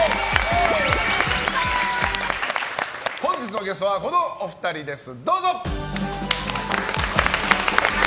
本日のゲストはこのお二人です！